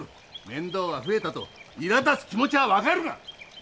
面倒が増えたといらだつ気持ちは分かるが！